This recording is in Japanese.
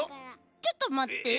ちょっとまって。